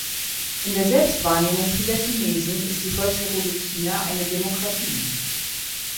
In der Selbstwahrnehmung vieler Chinesen ist die Volksrepublik China eine Demokratie.